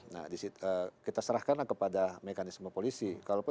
nah kita serahkanlah kepada mekanisme polisi